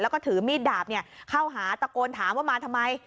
แล้วก็ถือมีดดาบเข้าหาตะโกนถามว่ามาทำไม